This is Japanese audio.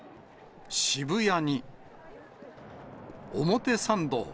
渋谷に、表参道。